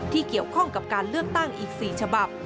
เกี่ยวข้องกับการเลือกตั้งอีก๔ฉบับ